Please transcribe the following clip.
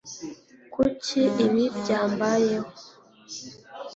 Kuki ibi byambayeho